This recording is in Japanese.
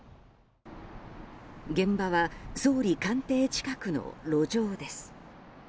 現場は総理官邸近くの路上です。